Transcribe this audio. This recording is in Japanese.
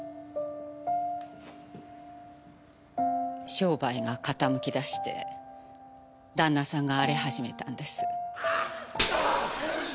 商売が傾き出して旦那さんが荒れ始めたんです。